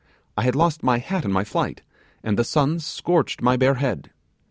I had lost my hat in the flight, and the run scorched my bare head.